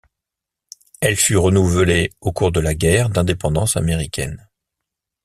Elle fut renouvelée au cours de la guerre d'indépendance américaine.